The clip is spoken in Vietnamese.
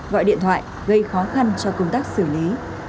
gọi điện thoại gây khó khăn cho công tác xử lý